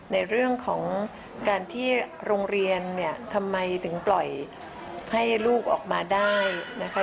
ในเรื่องของการที่โรงเรียนเนี่ยทำไมถึงปล่อยให้ลูกออกมาได้นะคะ